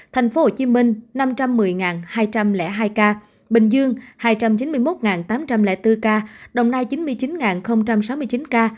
tp hcm năm trăm một mươi hai trăm linh hai ca bình dương hai trăm chín mươi một tám trăm linh bốn ca đồng nai chín mươi chín sáu mươi chín ca